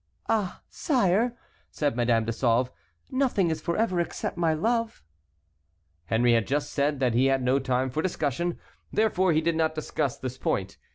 "Ah! sire," said Madame de Sauve, "nothing is forever except my love." Henry had just said that he had no time for discussion; therefore he did not discuss this point.